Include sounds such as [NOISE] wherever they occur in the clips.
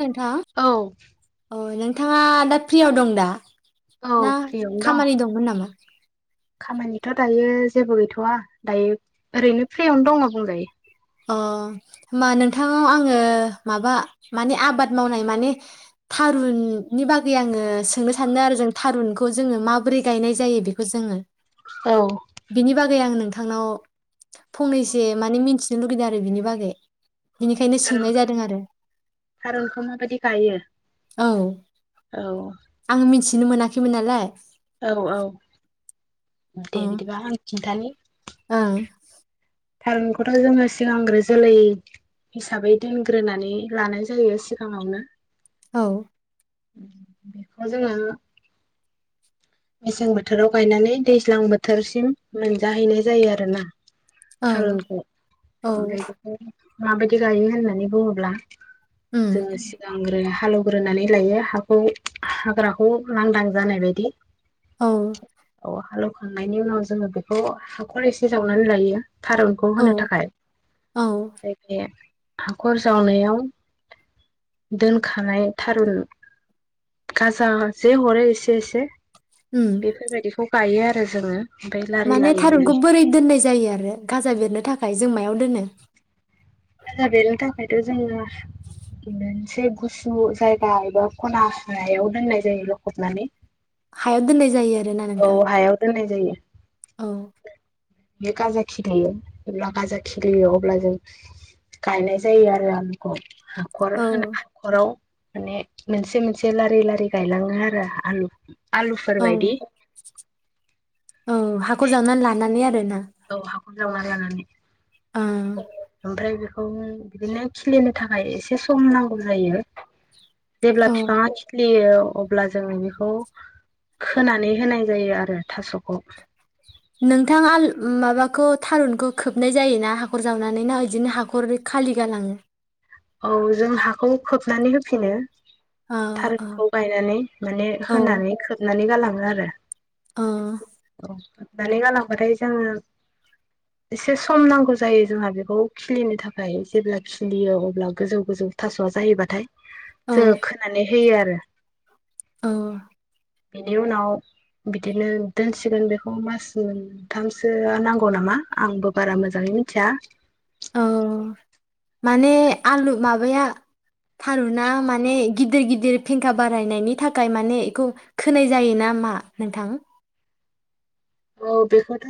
नोंथां औ ओ नों नोंथाङा दा फ्रियाव दं दा औ ना फ्रियावनो दं खामानि दंमोन नामा खामानिथ' दायो जेबो गैथ'वा दायो ओरैनो फ्रियावनो दङ बुंजायो। अ होमबा नोंथांनाव आङो माबा माने आबाद ओ ओ होमबा नोंथांनाव आंओ माबा माने आबाद मावनाय माने थारुननि बागै आङो सोंनो सानदों आरो जों थारुनखौ जोङो माबोरै गायनाय जायो। बेखौ जोङो औ बिनि बागै आं नों नोंथांनाव फंनैसो मानि मिथि जनो लुगैदों आरो बिनि बागै बेनिखायनो थारुन सोंनाय जादों आरो थारुनखौ माबायदि गायो औ औ आङो मिथि बिदिनो मोनाखैमोन नालाय औ औ। अ दे बिदिबा आं खिन्थानि ओं थारुनखौथ' जोङो सिगांग्रो जोलै हिसाबै दोनग्रोनानै लानाय जायो सिगाङावनो औ बेखौ जोङो मेसें बोथोराव गायनानै दैज्लां बोथोरसिम मोनजाहैनाय जायो आरोना ओं थारुनखौ औ ओमफ्राय बेखौ माबायदि गायो होननानै बुङोब्ला उम जोंओ सिगां ग्रो हालेवग्रोनानै लायो हाखौ हाग्राखौ लांदां जानाय बायदि औ औ [UNINTELLIGIBLE] खांनायनि उनाव जोङो बेखौ हाखर एसे जावनानै लायो थारुनखौ होनो औ थाखाय औ हाखर जावनायाव दोनखानाय थारुन गाजा जे हरो एसे एसे उम बेफोरबायदिखौ गायो आरो जोङो । माने थारुनखौ बोरै दोननाय जायो आरो? गाजा बेरनो थाखाय जों मायाव दोनो? गाजा बेरनो थाखायथ' जोङो बे मोनसे गुसु जायगा एबा खना हायाव दोननाय जायो लखबनानै हायाव दोननाय जायो । औ हायाव दोन्नाय जायो। औ। बे गाजा खिलियो अब्ला गाजा खिलियो अब्ला जों गायनाय जायो आरो आलुखौ। हाख'र होना औ हाख'राव माने मोनसे मोनसे लारि लारि गायलाङो आरो आलु आलु औ फोरबायदि [UNINTELLIGIBLE] औ हाखर जावनानै लानानै आरो औ हाखर जावना जानानै ओ। [UNINTELLIGIBLE] बिदिनो खिलिनो थाखाय एसे सम नांगौ जायो। जेब्ला औ बिफांआ खिलियो अब्ला जोङो बेखौ खोनानै होनाय जायो आरो थास'खौ। नोंथां आल माबाखौ थारुनखौ खोबनाय जायोना हाखर जावनानै ना बिदिनो हाखर खालि गालाङो? औ जों हाखौ खोबनानै होफिनो। अ अ थारुनखौ गायनानै माने औ होनानै खोबनानै गालां [UNINTELLIGIBLE] आरो अ'। [UNINTELLIGIBLE] गालांबाथाय जोङो एसे सम नांगौ जायो जोंहा बेखौ खिलिनो थाखाय जेब्ला खिलियो [UNINTELLIGIBLE] जेब्ला गोजौ गोजौ थास'आ जायोबथाय जोङो औ खोनानै होयो आरो । औ। बेनि उनाव बिदिनो दोनसिगोन बेखौ मास मोनथामसोआ नांगौ नामा आंबो बारा मोजाङै मिथिया। औ माने आलु माबाया थारुना माने गिदिर गिदिर फिंखा बारायनायनि थाखाय माने इखौ खोनाय जायो ना मा नोंथां? औ बेखौथ'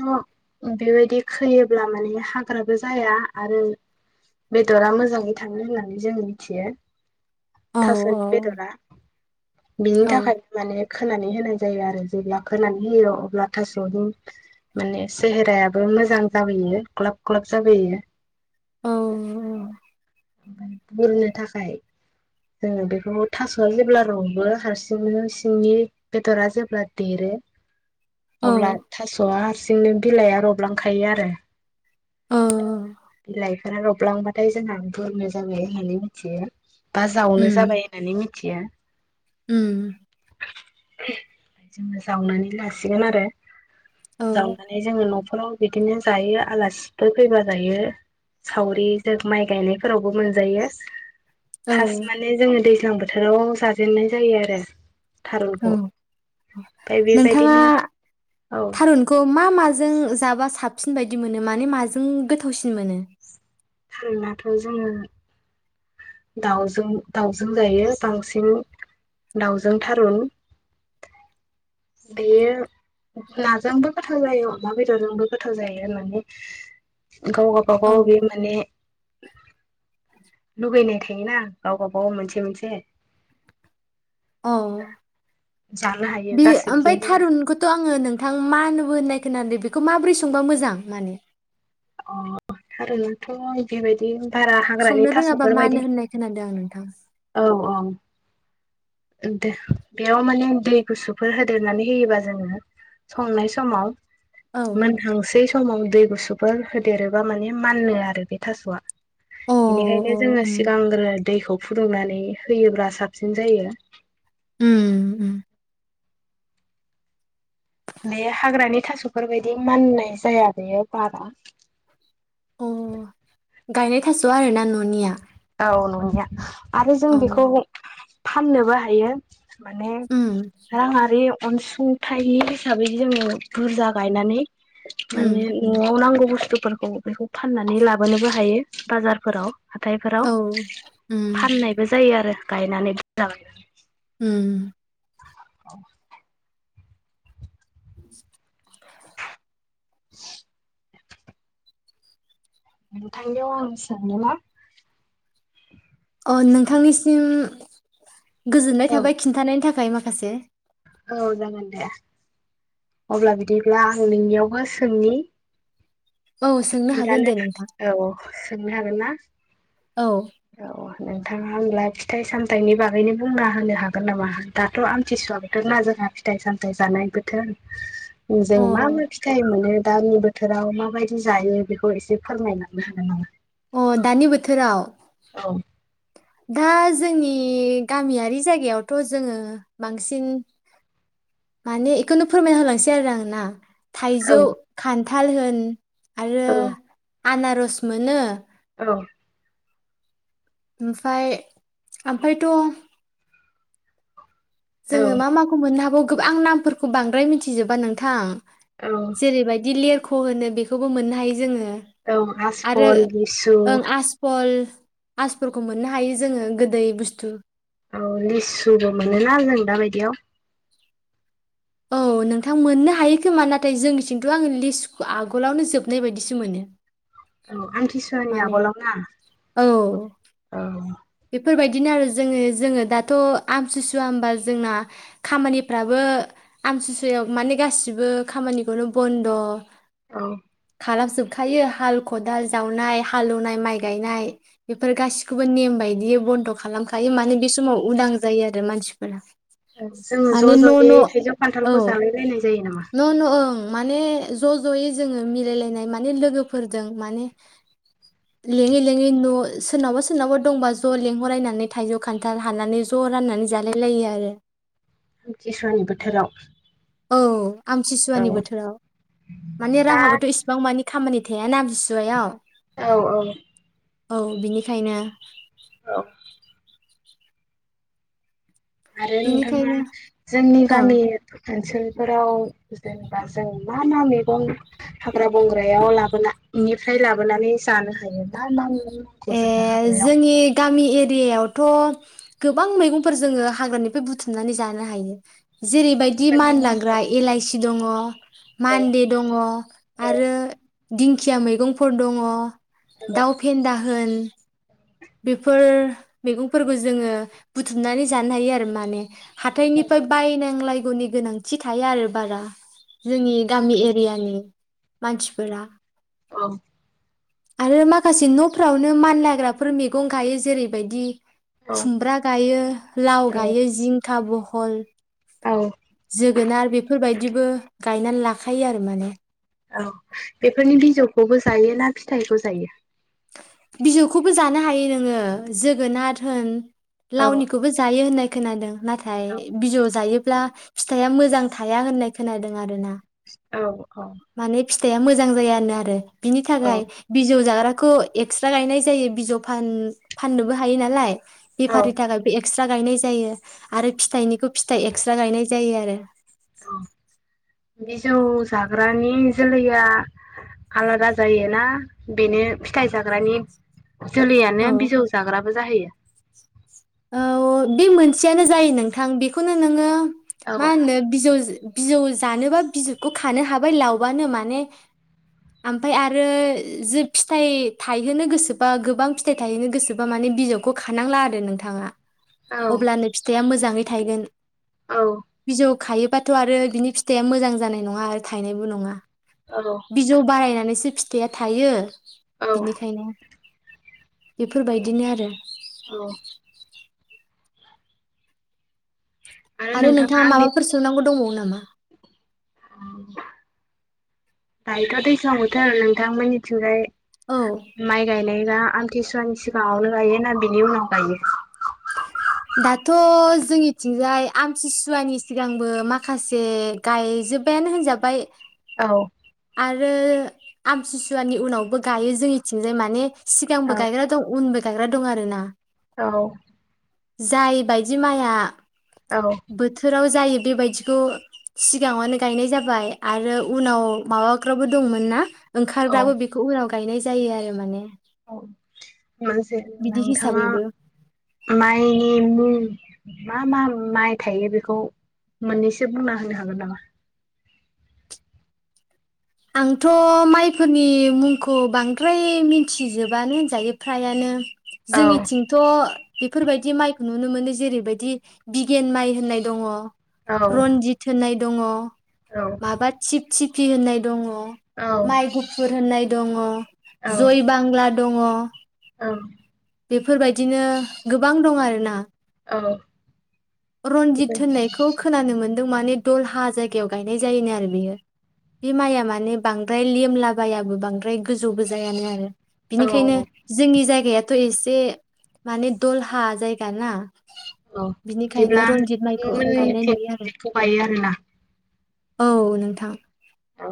बेबायदि खोयोब्ला माने हाग्राबो जाया आरो बेदरा मोजाङै थाङो होननानै जों मिथियो। औ थास'नि औ बेदरा बिनि थाखायनो माने खोनानै होनाय जायो आरो जेब्ला खोनानै होयो अब्ला थास स'नि माने सेहेरायाबो मोजां जाबोयो ग्लाब ग्लाब जाबोयो। औ औ। ओमफाय बुरनो थाखाय जोङो बेखौ थास'आ जेब्ला रबो हारसिङनो सिंनि बेदरा जेब्ला देरो अब्ला थास'आस हारसिंनो बिलाइआ रबलांखायो आरो। बिलाय रबलांबाथाय जोंहा बुरनो जाबाय होननानै मिथियो। बा जावनो जाबाय होननानै मिथि थियो। उम। ओ जोङो जावनानै लासिगोन आरो । औ जावनानै जोङो न' औ बिदिनो जायो आलासिफोर फैबा जायो। सावरिजों माइ गायनायफोरावबो मोनजायो। औ फार्स्ट माने जोङो दैज्लां बो थोराव जाजेननाय जायो आरो। औ। थारुनखौ ओमफ्राय नोंथाङा बेबायदिनो औ थारुनखौ मा माजों जाबा साबसिन बायदि मोनो माने माजों गोथावसिन मोनो? थारूनाथ' जोङो दाउजों-दाउजों जायो बांसिन दाउजों थारुन। बेयो नाजोंबो गोथाव जायो अमा बेदरजोंबो गोथाव जायो होननानै गाव गाबा गाव बे औ माने लुगैनाय थायोना गाव बा गाव मोनसे मोनसे। औ जानो हायो बे ओमफ्राय गासिबजोंबो जा थारुनखौथ' आङो नोंथां मानोबो होननाय खोनादों बेखौ माबोरै संबा मोजां माने। अ थारुनाथ' बेबायदि भारा हाग्रानि संनो रोङाबा मानो थास'फोरबायायदि होननाय खोनादों आं नोंथां औ औ। बेयाव माने दै गुसुफोर होदेरनानै होयोबा जोङो संनाय समाव औ मोन हांसेै समाव दै गुसु फोर होदेरोबा माने मानो आरो बे थास'आ अ बेनिखायनो जोङो उम सिगांग्रो दैखौ फुदुंनानै होयोब्ला साबसिन जायो। उम उम। बे हाग्रानि थास'फोरबायदि माननाय जाया बेयो बारा। अ गायनाय थास' आरोना न'निया औ ननिया। आरो जों औ बेखौ फाननोबो हायो। माने उम रांआरि अनसुंथाइ हिसाबै जोङो बुरजा गायनानै उम माने नं आव नांगौ बु स्थुफोरखौ बेखौ फाननानै लाबोनोबो हायो बाजारफोराव हाथाय बेफोराव औ उम फाननायबो जायो आरो। गायनानै [INAUDIBLE] उम। औ। [INAUDIBLE] [INAUDIBLE] नोंथांनायाव आं सोंनो मा अ नोंथांनिसिम गोजोन्नाय औ थाबाय खिन्थानायनि था खाय माखासे। औ जागोन दे अब्ला बिदिब्ला आं नोंनियावबो सोंनि औ सोंनो हागोन खिन्थानो दे नोंथां। औ सोंनो हागोन ना? औ। औ नोंथाङा होनोमब्ला फिथाइ सामथाइनि बागैनो बुंना होनो हागोन नामा दाथ' आमथिसुवा बोथोर ना जोंहा फिथाय सामथाय जानाय बोथोर जों औ मा मा फिथाइ मोनो? दानि बोथोराव माबायदि जायो बेखौ एसे फोरमायलांनो होगोन नामा? अ दानि बोथोराव औ दा जोंनि गामियारि जायगायावथ' जोङो बांसिन माने इखौनो फोरमायना होलांसै आरो आं ना। औ थाइजौ खान थाल होन आरो औ आनारस मोनो औ ओमफाय ओमफ्रायथ' औ जोङो मा माखौ मोननो हागौ आं नामफोरखौ बांद्राय मिथिजोबा नोंथां औ जेरैबायदि लिर ख होनो बेखौबो मोननो हायो जोङो औ आसपल लिसु आसपलफोरखौ मोननो हायो जोङो गोदै बुस्थु औ लिसुबो मोनोना जों दाबायदियाव औ नोंथां मोननो हायो खोमा नाथाय जोंनिथिंथ' आङो लिस्ट आगोलावनो जोबनाय बायदिसो मोनो औ आमथिसुवानि माने आगलाव ना औ औ बेफोरबायदिनो आरो जोङो जोङो दाथ' आमथिसुवा होनोमबा जोंना खामानिफ्राबो आमथिसुवायाव माने गासिबो खामानिखौनो बन्द' औ खालाम जोबखायो हाल खदाल जावनाय हालेवनाय माइ गायनाय बेफोर गासिखौबो नेम बायदि बि बन्द' खालामखायो माने बे समाव उदां जायो आरो मानसिफोरा औ जोङो माने ज' न' ज'यै न' थाइजौ औ खान्थालखौ जालायलायनाय जायो नामा न' न' ओं माने ज' ज'यै जोङो मिलायलायनाय माने लोगोफोरजों माने लेङै लेङै न' सोरनावबा सोरनावबा दंबा ज' लेंहररायनानै थाइजौ खान्थाल हानानै ज' राननानै जालायलायो आरो आमथिसुवानि बोथोराव आमसि सिसुवानि औ बोथोराव माने दा रांवहाबोथ' इसिबां मानि खामानि थेया आमथि सुवायाव औ औ औ बिनिखायनो औ आरो नोंथाङा बिनिखायनो जोंनि औ गामि ओनसोल फोराव जेनेबा जों मा मा मैगं हाग्रा बंग्रायाव लाबोन निफ्राय लाबोनानै जानो हायो मा मा मैगंखौ ए जोङो हाग्रायाव जोंनि गामि एर दैयावथ गोबां मैगंफोर जोङो हाग्रानिफ्राय बुथुमनानै जानो हायो जेरैबायदि बेफोरनि मुंखौ मानलांग्रा एलाइसि दङ औ मान्दे दङ औ आरो दिंखिया मैगंफोर दङ दाउ फेन्दा हो होन बेफोर मैगंफोरखौ जोङो बुथुमनानै जानो हायो आरो माने हाथायनिफाय बायनांलाय गौनि गोनांथि थाया आरो बारा जोंनि गामि एरियानि मानसिफोरा औ आरो माखासे नब फ्रावनो मानलाग्राफोर मैगं गायो जेरैबायदि खुमब्रा गायो लाव गायो जिं खा, ब'हल औ । जोगोनार बेफोरबायदिबो गायनानै लाखायो आरो माने औ बेफोरनि बिजौखौबो जायो ना फिथाइखौ जायो? बिजौखौबो जानो हायो नोङो जोगोनार होन औ लावनिखौबो जायो होननाय खोनादों । औ नाथाय बिजौ जायो ब्ला फिथाइआ मोजां थाया होननाय खोनादों आरोना । औ । औ । फिथाइआ मोजां जायानो आरो । बिनि थाखाय बिजौ जाग्रा खौ एक्सथ्रा गायनाय जायो बिजौ फान फाननोबो हायो नालाय औ बेफारि थागा बे एक एक्सथ्रा गायनाय जायो आरो फिथाइनिखौ फिथाइ एक्सथ्रा गायनाय जायो आरो औ बिजौ जाग्रानि जोलैया आलादा जायोना बेनो फिथाइ जाग्रानि औ जोलैयानो बिजौ जाग्राब जाहैयो? औ बे मोनसेयानो जायो नोंथां बेखौनो नोङो औ मा होनो बिजौज बिजौ जानोबा बिजौखौ खानो हाबाय लावबानो माने ओमफाय आरो जे फिथाइ थायहोनो गोसोबा गोबां फिथाइ थायहोनो गोसोबा माने बिजौखौ खानांला आरो नोंथां थाङा । औ अब्लानो फिथाइआ मोजां नै थाइगोन औ । बिजौ खायोबाथ' आरो बिनि फिथाइया मोजां जानाय नङा आरो थायनायबो नङा औ । बिजौ बारायनानैसो फिथ फिथाइया थायो औ बिनिखायनो बेफोरबायदिनो आरो औ आरो नोंथाङा माबाफोर सोंनांगौ दंबावो नाम नामा? दायोथ' दैज्लां मोथोर नोंथां मोननिथिंजाय औ माइ गायनाय गा आं थिसुवानि सिगाङावनो गायो ना बिनि उनाव गायो दाथ' जोंनिथिंजाय आमथिसुवानि सिगांबो माखासे गायजोब्बायानो होनजाबाय औ आरो आमथिुसुवानि उनावबो गायो जोंनि थिंजाय माने सिगांबो गायग्रा दं उनबो गायग्रा दं आरो ना औ जाय बायदि माइया औ बोथोराव जायोब बेबायदिखौ सिगाङनो गायनाय जाबाय आरो उनाव माबाग्राबो दंमोन ना औ ओंखारबाबो बेखौ उनाव गायनाय जायो आरो माने औ बेस जे बिदि नोंथाङा हिसाबैबो माइनि मुं। मा मा माइ थायो बेखौ मोननैसो बुंना होनो हागोन नामा। आंथ' माइफोरनि मुंखौ बांद्राय मिथिजोबानो होनजायो फ्रायानो। औ जोंनिथिंथ'। बेफोरबायदि माइखौ नुनो मोनो जेरैबायदि बिगिगेन माइ होननाय दङ। औ रनजित होनाय। दङ। औ माबा थिब थिख। फि होननाय। दङ। औ माइ गुफुर होननाय। दङ। औ जय बांला। दङ। औ। बेफोरबायदिनो गोबां दं आरोना। रन्जित होननायखौ। खोनानो मोन्दों माने दल हा जायगायाव गायनाय जायोनो आरो बियो बे माइया माने बांद्राय लेमलाबायाबो बांद्राय गोजौ गोजायानो आरो। बिनिखायनो जोंनि जायगाया। थ' एसे माने दलहा जायगा ना। औ बिनिखायनो बिदिब्ला रनजित माइखौ गायनाय नोंथांमोननिथिं नुयो आरो जिटखौ गायो आरोना। औ नोंथां। औ।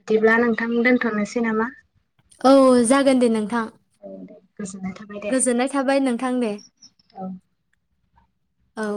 बिदिब्ला नोंथां दोनथ'नोसै नामा। औ जागोन दे नोंथां। ओं दे। गोजोननाय थाबाय दे गोजोननाय थाबाय नोंथां दे। औ। औ।